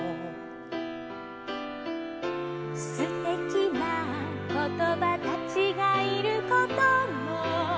「すてきなことばたちがいることも」